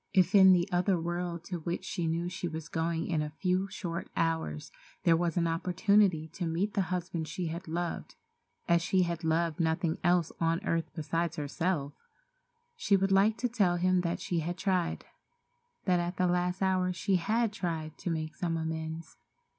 If in the other world to which she knew she was going in a few short hours there was opportunity to meet the husband she had loved as she had loved nothing else on earth besides herself, she would like to tell him that she had tried—that at the last hour she had tried to make some amends.